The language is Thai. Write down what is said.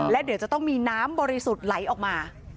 และเดี๋ยวจะต้องมีน้ำบริสุทธิ์ไหลออกมา